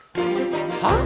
はっ？